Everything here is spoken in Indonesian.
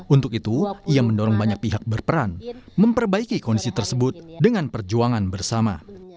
untuk itu ia mendorong banyak pihak berperan memperbaiki kondisi tersebut dengan perjuangan bersama